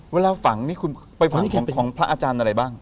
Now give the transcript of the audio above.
เวลาฝังนี่คุณไปฝังเข็มของพระอาจารย์อะไรบ้าง